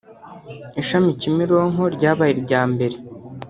Ishami Kimironko ryabaye irya mbere